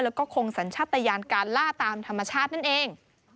แล้วก็คงสัญชาติยานการล่าตามธรรมชาตินั่นเอง